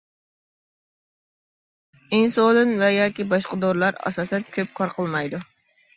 ئىنسۇلىن ۋە ياكى باشقا دورىلار ئاساسەن كۆپ كار قىلمايدۇ.